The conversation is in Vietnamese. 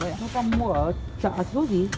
người ta mua ở chợ chứ gì